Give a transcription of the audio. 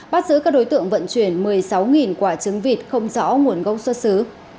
bắt giữ các đối tượng vận chuyển một mươi sáu quả trứng vịt không rõ nguồn gốc xuất xứ